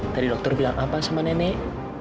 tadi dokter bilang apa sama nenek